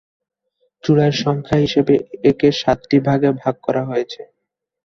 চূড়ার সংখ্যা হিসাবে একে সাতটি ভাগে ভাগ করা হয়েছে।